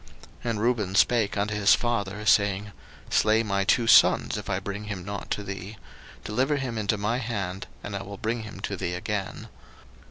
01:042:037 And Reuben spake unto his father, saying, Slay my two sons, if I bring him not to thee: deliver him into my hand, and I will bring him to thee again.